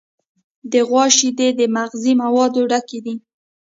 د غوا شیدې د مغذي موادو ډک دي.